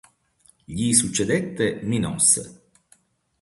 Gli succedette Minosse.